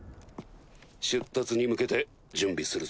出立に向けて準備するぞ。